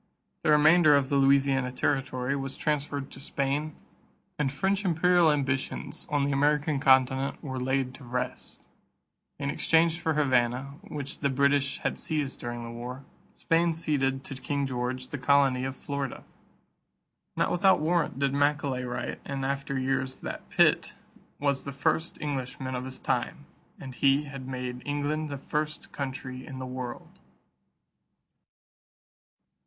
The remainder of the Louisiana territory was transferred to Spain and French imperial ambitions on the American continent were laid to rest. In exchange for Havana, which the British had seized during the war, Spain ceded to King George the colony of Florida. Not without warrant did Macaulay write in after years that Pitt "was the first Englishman of his time; and he had made England the first country in the world."